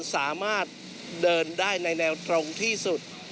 สามารถเดินได้ในแนวตรงที่สุด